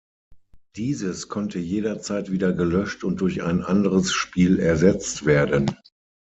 Dieses konnte jederzeit wieder gelöscht und durch ein anderes Spiel ersetzt werden.